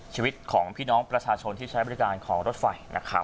ชีวิตของพี่น้องประชาชนที่ใช้บริการของรถไฟนะครับ